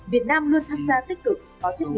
việt nam luôn tham gia tích cực